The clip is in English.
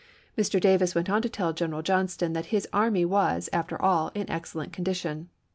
Mr. Davis went on to tell General Johnston that his army was, after all, in excellent condition.